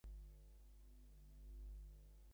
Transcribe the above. তাহলে কী করে আপনার ধারণা হল, গেট খোলা পেলে সে চলে যাবে?